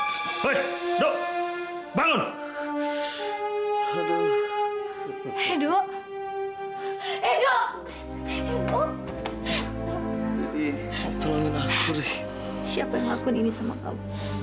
siapa yang lakuin ini sama kamu